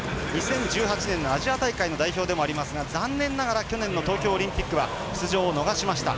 ２０１８年のアジア大会の代表でもありますが残念ながら去年の東京オリンピックは出場を逃しました。